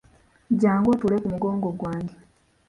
Jangu otuule ku mugongo gwange.